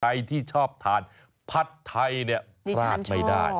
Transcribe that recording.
ใครที่ชอบทานผัดไทยปลาดไม่ได้